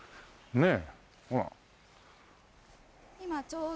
ねえ。